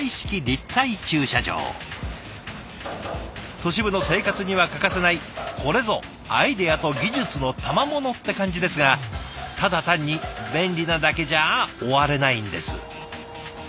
都市部の生活には欠かせないこれぞアイデアと技術のたまものって感じですがただ単に便利なだけじゃ終われないんです。